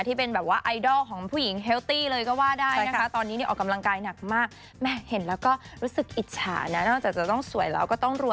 ที่เป็นแบบว่าไอดอลของผู้หญิงเฮลตี้เลยก็ว่าได้นะคะ